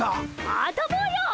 あたぼうよ。